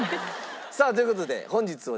さあという事で本日はですね